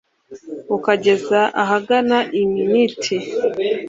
ukageza ahagana i miniti